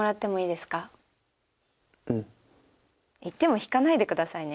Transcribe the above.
言っても引かないでくださいね。